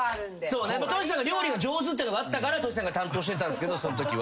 ＴＯＳＨＩさんが料理が上手ってのがあったからＴＯＳＨＩさんが担当してたんすけどそんときは。